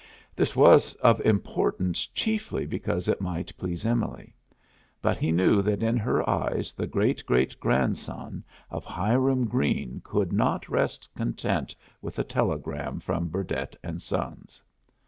This was of importance chiefly because it might please Emily. But he knew that in her eyes the great great grandson of Hiram Greene could not rest content with a telegram from Burdett and Sons.